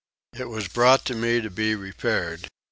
It was brought to me to be repaired.